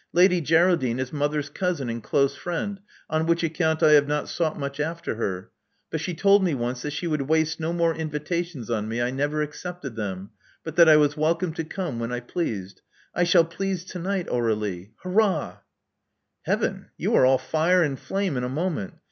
Lady Geraldine is mother's cousin and close friend, on which account I have not sought much after her. But she told me once that she would waste no more invitations on me — I never accepted them — but that I was wel come to come when I pleased. I shall please to night, Aur^lie. Hurrah!" Heaven! you are all fire and flame in a moment.